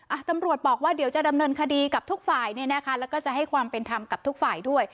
อ่ะตำรวจบอกว่าเดี๋ยวจะดำเนินคดีกับทุกฝ่ายเนี่ยนะคะแล้วก็จะให้ความเป็นธรรมกับทุกฝ่ายด้วย